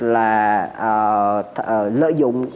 là lợi dụng